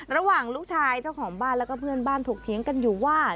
ระหว่างลูกชายเจ้าของบ้านแล้วก็เพื่อนบ้านถกเถียงกันอยู่ว่า